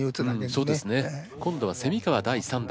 今度は川第３打。